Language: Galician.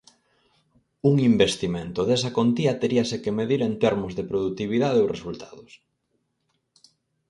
Un investimento desa contía teríase que medir en termos de produtividade ou resultados.